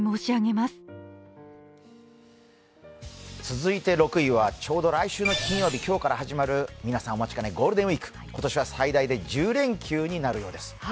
続いて６位はちょうど来週の金曜日、今日から始まる皆さんお待ちかね、ゴールデンウイーク今年は最大で１０連休になるようです。